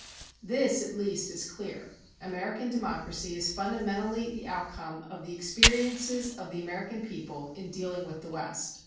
This, at least, is clear: American democracy is fundamentally the outcome of the experiences of the American people in dealing with the West.